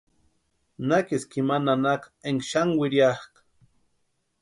Nakiski ima nanaka énka xani wiriakʼa.